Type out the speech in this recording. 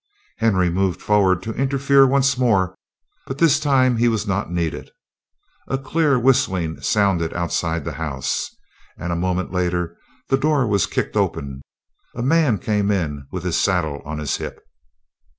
Henry moved forward to interfere once more, but this time he was not needed. A clear whistling sounded outside the house, and a moment later the door was kicked open. A man came in with his saddle on his hip.